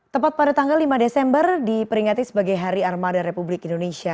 tepat pada tanggal lima desember diperingati sebagai hari armada republik indonesia